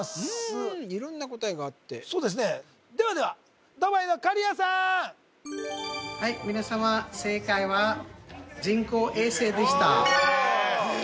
うん色んな答えがあってそうですねではではドバイのカリアさんはい皆様正解は人工衛星でしたへえ